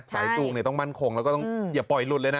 จูงต้องมั่นคงแล้วก็ต้องอย่าปล่อยหลุดเลยนะ